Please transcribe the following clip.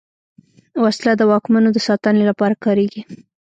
وسله د واکمنو د ساتنې لپاره کارېږي